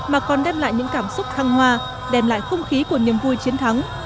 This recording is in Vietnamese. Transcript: mà còn đem lại những cảm xúc thăng hoa đem lại không khí của niềm vui chiến thắng